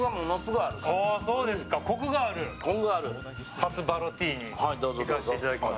初バロティーヌいかせていただきます。